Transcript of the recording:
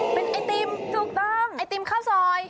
เป็นไอตีมถูกต้องใช่แล้วดูมีไอตีมข้าวซอย